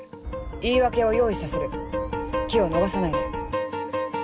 言い訳を用意させる機を逃さないで。